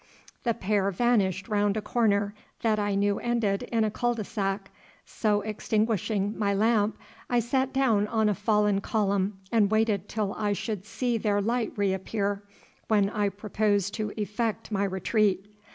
The pair vanished round a corner that I knew ended in a cul de sac, so extinguishing my lamp, I sat down on a fallen column and waited till I should see their light reappear, when I proposed to effect my retreat.